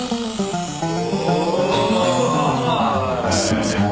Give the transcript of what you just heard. すいません。